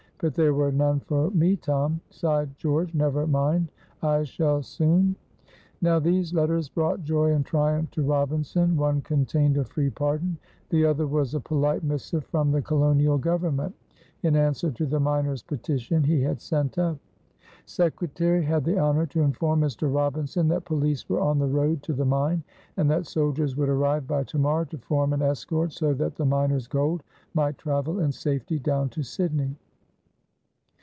"But there were none for me, Tom," sighed George. "Never mind, I shall soon " Now these letters brought joy and triumph to Robinson; one contained a free pardon, the other was a polite missive from the Colonial Government, in answer to the miners' petition he had sent up. "Secretary had the honor to inform Mr. Robinson that police were on the road to the mine, and that soldiers would arrive by to morrow to form an escort, so that the miners' gold might travel in safety down to Sydney."